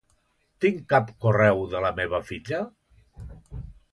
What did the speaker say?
Tinc cap correu de la meva filla?